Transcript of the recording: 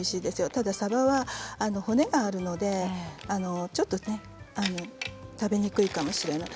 ただ、さばは骨があるのでちょっと食べにくいかもしれない。